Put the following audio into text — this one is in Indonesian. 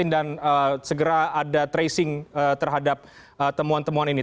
dan segera ada tracing terhadap temuan temuan ini